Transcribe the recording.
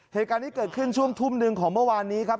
เหตุการณ์นี้เกิดขึ้นช่วงทุ่มหนึ่งของเมื่อวานนี้ครับ